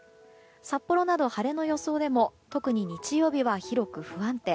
札幌など晴れの予想でも特に日曜日は広く不安定。